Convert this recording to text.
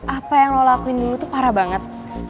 apa yang lo lakuin dulu tuh parah banget